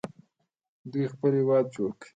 دوی خپل هیواد جوړ کړ.